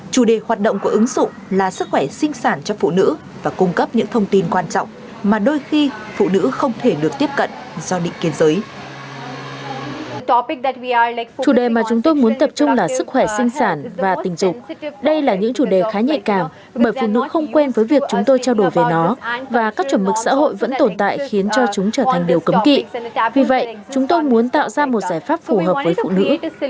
chủ đề mà chúng tôi muốn tập trung là sức khỏe sinh sản và tình dục đây là những chủ đề khá nhạy cảm bởi phụ nữ không quen với việc chúng tôi trao đổi về nó và các chuẩn mực xã hội vẫn tồn tại khiến cho chúng trở thành điều cấm kỵ vì vậy chúng tôi muốn tạo ra một giải pháp phù hợp với phụ nữ